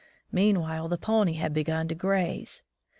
Meanwhile the pony had begun to graze.